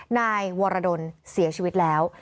นายวรดลเสียชีวิตแล้ว